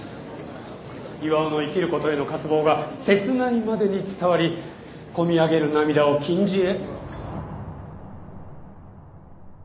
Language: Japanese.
巌の生きることへの渇望が切ないまでに伝わり込み上げる涙を禁じ得。